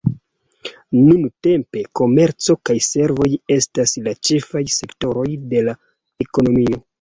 Nuntempe komerco kaj servoj estas la ĉefaj sektoroj de la ekonomio.